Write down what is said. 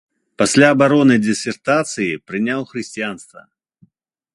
Пасля абароны дысертацыі прыняў хрысціянства.